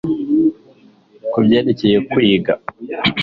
ku byerekeye kwiga